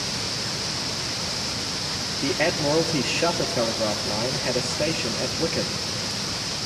The Admiralty Shutter Telegraph Line had a station at Wickham.